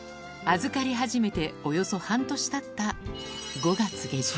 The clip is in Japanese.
預かり始めておよそ半年たった５月下旬。